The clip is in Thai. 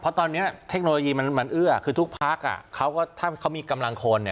เพราะตอนนี้เทคโนโลยีมันเอื้อคือทุกพักเขาก็ถ้าเขามีกำลังคน